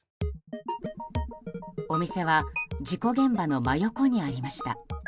お店は事故現場の真横にありました。